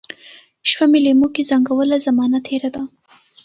شپه مي لېموکې زنګوله ، زمانه تیره ده